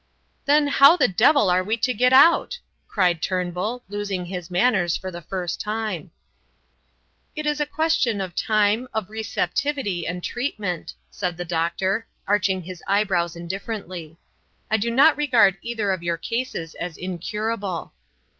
"Then, how the devil are we to get out?" cried Turnbull, losing his manners for the first time. "It is a question of time, of receptivity, and treatment," said the doctor, arching his eyebrows indifferently. "I do not regard either of your cases as incurable."